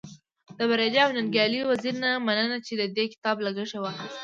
د بريالي او ننګيالي وزيري نه مننه چی د دې کتاب لګښت يې واخست.